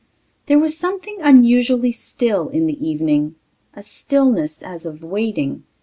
There was something unusually still in the evening ... a stillness as of waiting.